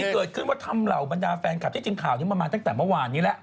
เกิดขึ้นว่าทำเหล่าบรรดาแฟนคลับที่จริงข่าวนี้มันมาตั้งแต่เมื่อวานนี้แล้ว